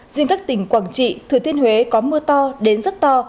riêng các tỉnh quảng trị thừa thiên huế có mưa to đến rất to